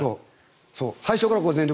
最初から全力。